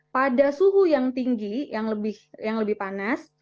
pada suhu yang tinggi yang lebih panas